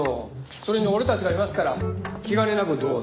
それに俺たちがいますから気兼ねなくどうぞ。